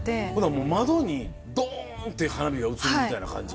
もう窓に、どーんって花火が映るみたいな感じ？